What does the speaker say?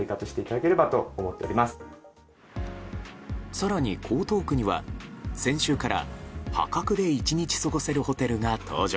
更に江東区には先週から破格で１日過ごせるホテルが登場。